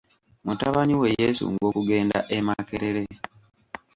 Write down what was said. Mutabani we yeesunga okugenda e Makerere.